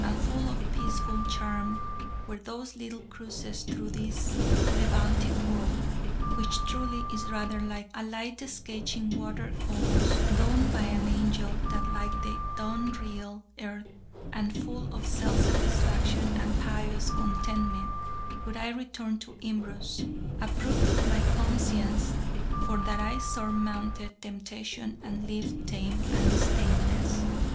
And full of peaceful charm were those little cruises through this Levantic world, which, truly, is rather like a light sketch in water colours done by an angel than like the dun real earth; and full of self satisfaction and pious contentment would I return to Imbros, approved of my conscience, for that I had surmounted temptation, and lived tame and stainless.